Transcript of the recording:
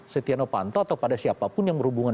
setiawapanto atau pada siapapun yang berhubungan